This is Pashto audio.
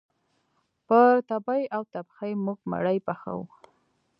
پر تبۍ او تبخي موږ مړۍ پخوو